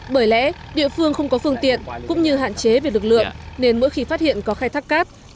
bởi lẽ địa phương không có phương tiện cũng như hạn chế về lực lượng nên mỗi khi phát hiện có khai thác cát